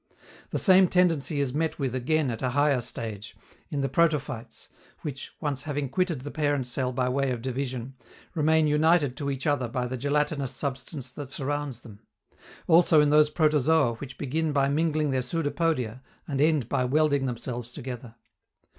The same tendency is met with again at a higher stage, in the protophytes, which, once having quitted the parent cell by way of division, remain united to each other by the gelatinous substance that surrounds them also in those protozoa which begin by mingling their pseudopodia and end by welding themselves together.